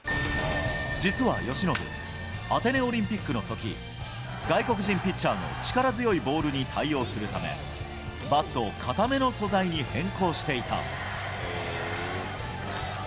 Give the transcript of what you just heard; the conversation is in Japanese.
実は由伸、アテネオリンピックのとき、外国人ピッチャーの力強いボールに対応するため、バットを硬めの素材に変更していた。